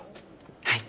はい。